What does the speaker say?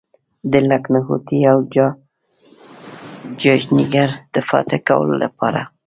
د لکهنوتي او جاجینګر د فتح کولو لپاره.